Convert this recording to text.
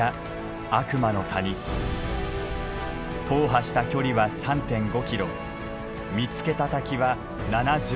踏破した距離は３．５キロ見つけた滝は７５。